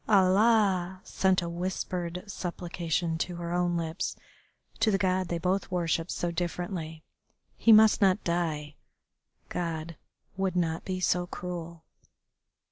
Allah!" sent a whispered supplication to her own lips to the God they both worshipped so differently. He must not die. God would not be so cruel.